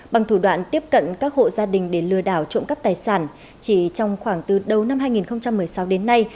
bằng thủ đoạn tiếp cận các hộ gia đình để lừa đảo trộm cắp tài sản chỉ trong khoảng từ đầu năm hai nghìn một mươi sáu đến nay